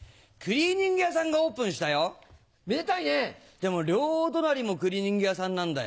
でも両隣もクリーニング屋さんなんだよ。